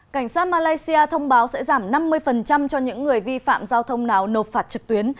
cảnh sát malaysia thông báo sẽ giảm năm mươi cho những người vi phạm giao thông nào nộp phạt trực tuyến